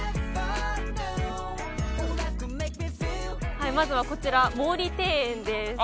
はいまずはこちら毛利庭園です。